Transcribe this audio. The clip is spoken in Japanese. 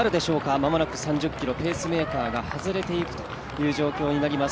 間もなく３０ｋｍ、ペースメーカーが外れていくという状況になります。